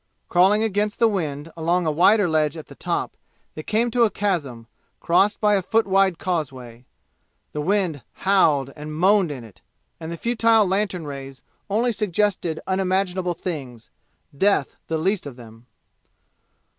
Crawling against the wind along a wider ledge at the top, they came to a chasm, crossed by a foot wide causeway. The wind bowled and moaned in it, and the futile lantern rays only suggested unimaginable, things death the least of them.